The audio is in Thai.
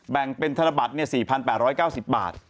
แบ่งเป็นธนบัตร๔๘๙๐บาท